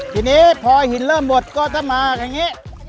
ทีนี้พอหินเริ่มหมดก็จะมาแบบนี้